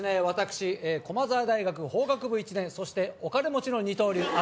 私駒澤大学法学部１年そしてお金持ちの二刀流。